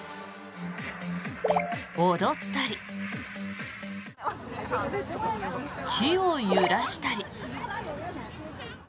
踊ったり、木を揺らしたり。